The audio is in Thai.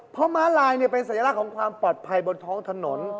เพราะม้าลายเป็นสัญลักษณ์ของความปลอดภัยบนท้องถนน